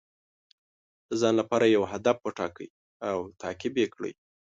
د ځان لپاره یو هدف وټاکئ او تعقیب یې کړئ.